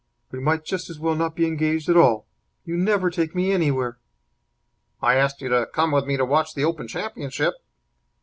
"We might just as well not be engaged at all. You never take me anywhere." "I asked you to come with me to watch the Open Championship."